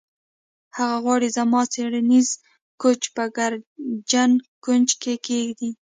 هغه غواړي زما څیړنیز کوچ په ګردجن کونج کې کیږدي